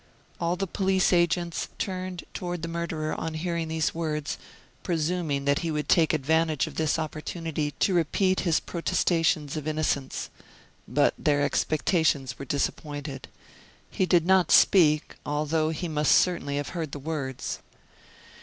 All the police agents turned toward the murderer on hearing these words, presuming that he would take advantage of this opportunity to repeat his protestations of innocence. But their expectations were disappointed; he did not speak, although he must certainly have heard the words.